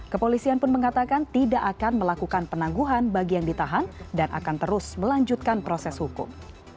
kepolisian pun mengatakan tidak akan melakukan penangguhan bagi yang ditahan dan akan terus melanjutkan proses hukum